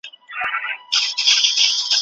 شیخ لا هم وو په خدمت کي د لوی پیر وو